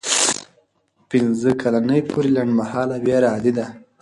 پنځه کلنۍ پورې لنډمهاله ویره عادي ده.